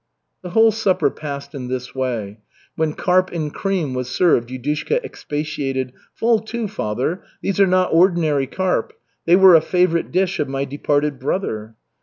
The whole supper passed in this way. When carp in cream was served, Yudushka expatiated: "Fall to, Father. These are not ordinary carp. They were a favorite dish of my departed brother."